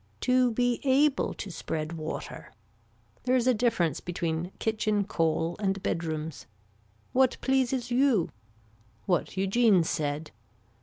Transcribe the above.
To be able to spread water. There is a difference between kitchen coal and bedrooms. What pleases you. What Eugene said.